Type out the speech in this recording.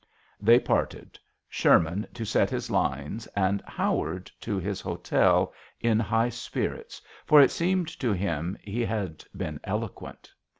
They parted ; Sherman to set his lines and Howard to his hotel in high spirits, for it seemed to him he had been eloquent.